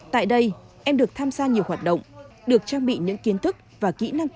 tại đây em được tham gia nhiều hoạt động được trang bị những kiến thức và kỹ năng